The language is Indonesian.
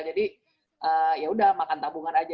jadi ya udah makan tabungan aja